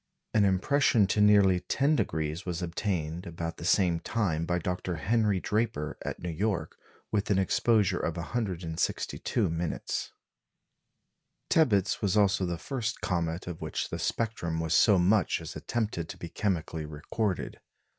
An impression to nearly 10° was obtained about the same time by Dr. Henry Draper at New York, with an exposure of 162 minutes. Tebbutt's (or comet 1881 iii.) was also the first comet of which the spectrum was so much as attempted to be chemically recorded.